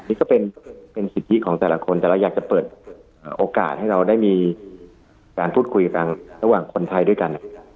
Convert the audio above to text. นี่ก็เป็นสิทธิของแต่ละคนแต่เราอยากจะเปิดโอกาสให้เราได้มีการพูดคุยกันระหว่างคนไทยด้วยกัน